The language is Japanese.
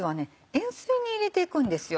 塩水に入れていくんですよ。